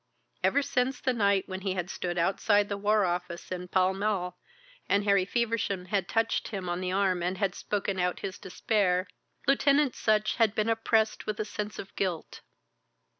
Ever since the night when he had stood outside the War Office in Pall Mall, and Harry Feversham had touched him on the arm and had spoken out his despair, Lieutenant Sutch had been oppressed with a sense of guilt.